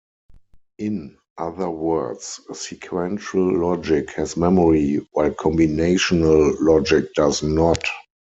In other words, sequential logic has "memory" while combinational logic does not.